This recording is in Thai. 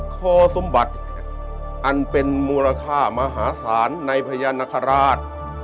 คอสมบัติอันเป็นมูลค่ามหาศาลในพญานาคาราช